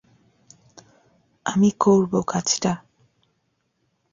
আমি করবো কাজটা!